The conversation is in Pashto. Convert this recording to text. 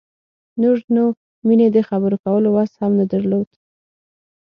نور نو مينې د خبرو کولو وس هم نه درلود.